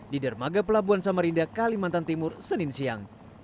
di dermaga pelabuhan samarinda kalimantan timur senin siang